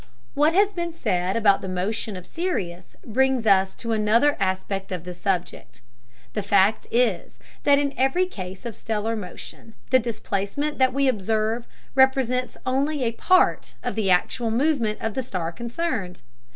What has been said about the motion of Sirius brings us to another aspect of this subject. The fact is, that in every case of stellar motion the displacement that we observe represents only a part of the actual movement of the star concerned.